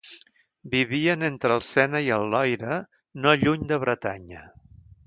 Vivien entre el Sena i el Loira, no lluny de Bretanya.